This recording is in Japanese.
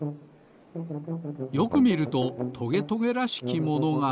よくみるとトゲトゲらしきものが。